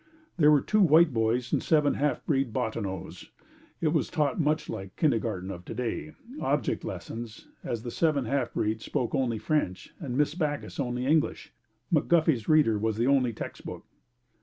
There were two white boys and seven half breed Bottineaus. It was taught much like kindergarten of today object lessons, as the seven half breeds spoke only French and Miss Backus only English. McGuffy's Reader was the only text book.